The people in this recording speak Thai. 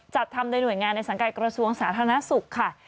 จัดทำโดยหน่วยงานในสังกัดกระทรวงสาธารณสุขค่ะ